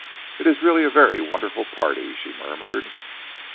"It is really a very wonderful party," she murmured.